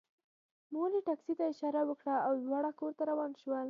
مور یې ټکسي ته اشاره وکړه او دواړه کور ته روان شول